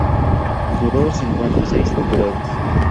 Duró cincuenta y seis temporadas.